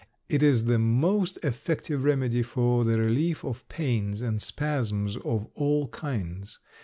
It is the most effective remedy for the relief of pains and spasms of all kinds.